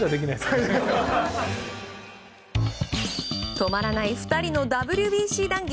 止まらない２人のＷＢＣ談義。